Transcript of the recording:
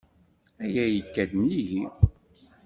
Aya yekka-d nnig-i.